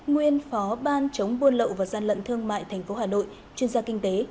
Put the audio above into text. nguyên phó ban chống buôn lậu và gian lận thương mại tp hà nội chuyên gia kinh tế